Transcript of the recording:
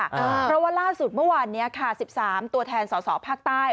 เพราะว่าล่าสุดเมื่อวานนี้ค่ะ๑๓ตัวแทนสอสอภาคใต้